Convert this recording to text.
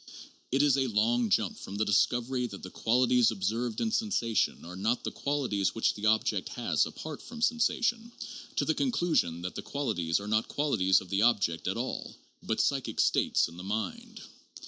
It is a long jump from the discovery that the qualities observed in sensation are not the qualities which the object has apart from sensation, to the conclusion that the qualities are not qualities of the object at all hut "psychic states" in the mind.